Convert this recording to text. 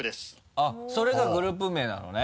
あっそれがグループ名なのね？